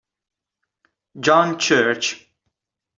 John Church